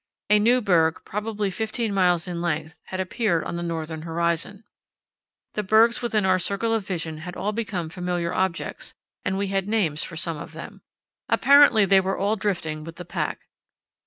A new berg, probably fifteen miles in length, had appeared on the northern horizon. The bergs within our circle of vision had all become familiar objects, and we had names for some of them. Apparently they were all drifting with the pack.